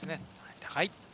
高い。